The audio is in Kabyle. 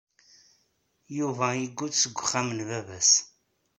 Yuba iguǧǧ seg uxxam n baba-s.